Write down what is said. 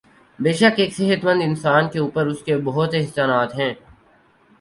بیشک ایک صحت مند اانسان کے اوپر اسکے بہت احسانات ہیں